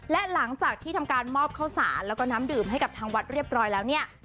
และหลังจากที่ทำการมอบข้าวสารแล้วก็น้ำดื่มให้กับทางวัดเรียบร้อยแล้วเนี่ย